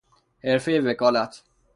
حرفهی وکالت